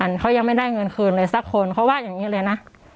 เขายังไม่ได้เงินคืนเลยสักคนเขาว่าอย่างนี้เลยนะ